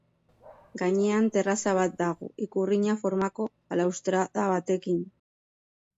Gainean terraza bat dago, ikurrina formako balaustrada batekin.